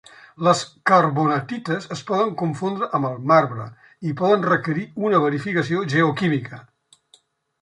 Les carbonatites es poden confondre amb el marbre i poden requerir una verificació geoquímica.